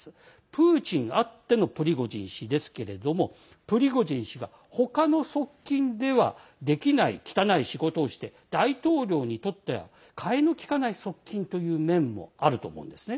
プーチンあってのプリゴジン氏が他の側近ではできない汚い仕事をして大統領にとってはかえのきかない側近という面もあると思うんですね